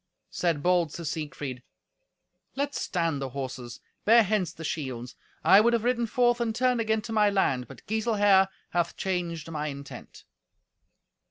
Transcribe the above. Said bold Sir Siegfried, "Let stand the horses, bear hence the shields. I would have ridden forth and turned again to my land, but Giselher hath changed my intent."